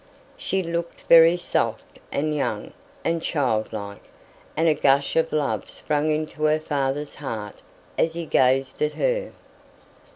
She looked very soft, and young, and childlike; and a gush of love sprang into her father's heart as he gazed at her.